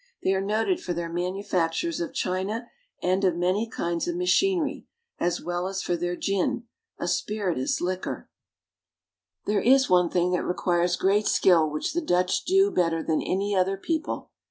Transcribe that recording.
They are noted for their manufactures of china and of many kinds of machinery, as well as for their gin, a spirituous liquor, 150 THE NETHERLANDS. There is one thing that requires great skill which the Dutch do better than any other people.